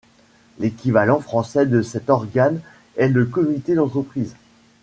L'équivalent français de cet organe est le comité d'entreprise.